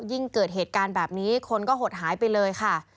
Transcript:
ยิ่งเกิดเหตุการณ์แบบนี้คนก็หดหายไปเลยค่ะ